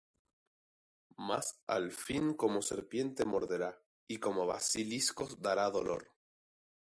Mas al fin como serpiente morderá, Y como basilisco dará dolor: